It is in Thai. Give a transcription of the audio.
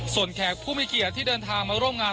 ส่วนแขกผู้มีเกียรติที่เดินทางมาร่วมงาน